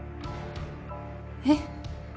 えっ？